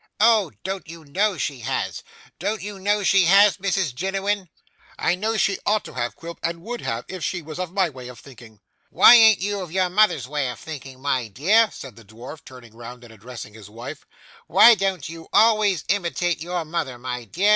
'Oh! Don't you know she has? Don't you know she has, Mrs Jiniwin? 'I know she ought to have, Quilp, and would have, if she was of my way of thinking.' 'Why an't you of your mother's way of thinking, my dear?' said the dwarf, turing round and addressing his wife, 'why don't you always imitate your mother, my dear?